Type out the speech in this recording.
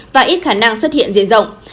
và ít khả năng xuất hiện dễ dọng